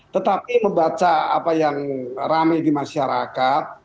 tetapi membaca apa yang rame di masyarakat